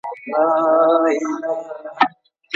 ادبیاتو پوهنځۍ بې هدفه نه تعقیبیږي.